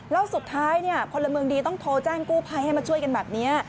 แล้วสุดท้ายพลเมืองดีต้องโทรแจ้งกู้ภัยให้มาช่วยกันแบบนี้